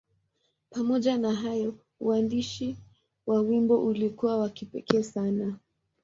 Pamoja na hayo, uandishi wa wimbo ulikuwa wa kipekee sana.